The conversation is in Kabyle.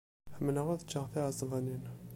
Ḥemmleɣ ad ččeɣ tiɛesbanin.